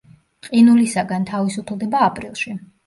ყინულისაგან თავისუფლდება აპრილში.